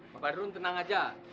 pak badrun tenang aja